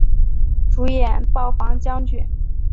主演暴坊将军。